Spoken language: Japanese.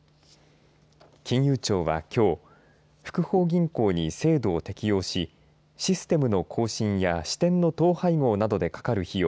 金融庁はきょう福邦銀行に制度を適用しシステムの更新や支店の統廃合などでかかる費用